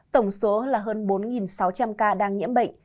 tổng số là hơn bốn sáu trăm linh ca đang nhiễm bệnh